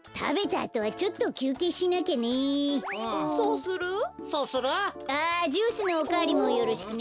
あジュースのおかわりもよろしくね。